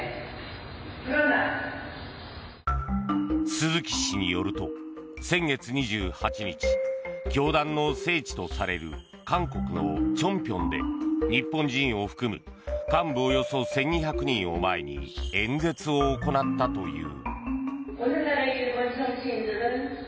鈴木氏によると先月２８日教団の聖地とされる韓国のチョンピョンで日本人を含む幹部およそ１２００人を前に演説を行ったという。